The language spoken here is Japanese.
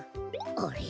あれ？